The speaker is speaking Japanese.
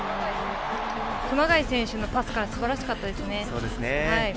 熊谷選手のパスからすばらしかったですね。